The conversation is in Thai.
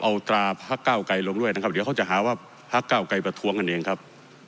เอาตราพักเก้าไกรลงด้วยนะครับเดี๋ยวเขาจะหาว่าพักเก้าไกรประท้วงกันเองครับ